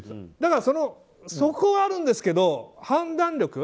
だからそこはあるんですけど判断力？